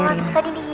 oh terus tadi di